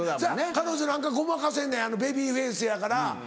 彼女なんかごまかせんねんベビーフェースやから。